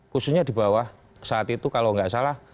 khususnya di bawah saat itu kalau nggak salah